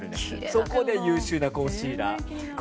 そこで優秀なコンシーラー。